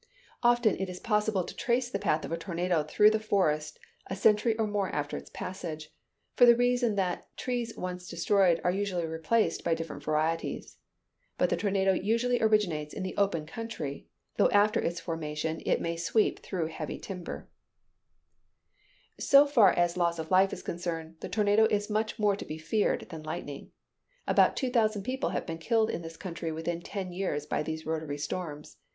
Often it is possible to trace the path of a tornado through the forest a century or more after its passage; for the reason that trees once destroyed are usually replaced by different varieties. But the tornado usually originates in the open country, though after its formation it may sweep through heavy timber. [Illustration: TORNADO FOLLOWED BY RAIN STORM.] So far as loss of life is concerned, the tornado is much more to be feared than lightning. About two thousand people have been killed in this country within ten years by these rotary storms.